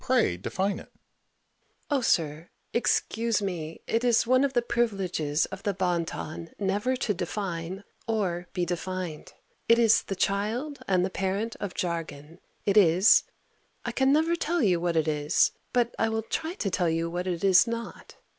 Pray define it. Mrs. Modish. Oh sir, excuse me, it is one of the privileges of the bon ton never to define, or be defined. It is the child and the parent of jargon. It is I can never tell you what it is: but I will try to tell you what it is not.